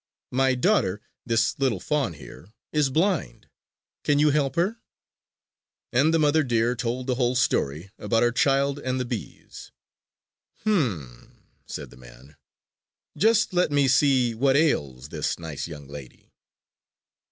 "My daughter, this little fawn here, is blind. Can you help her?" And the mother deer told the whole story about her child and the bees. "Hum!" said the man. "Just let me see what ails this nice young lady!"